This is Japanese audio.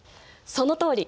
そのとおり！